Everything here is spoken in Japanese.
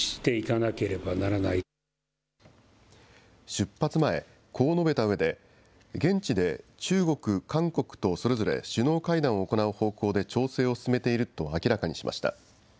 出発前、こう述べたうえで、現地で中国、韓国とそれぞれ首脳会談を行う方向で調整を進めていると明らかにしました。